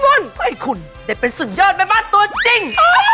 เพื่อให้คุณได้เป็นสุดยอดแม่บ้านตัวจริง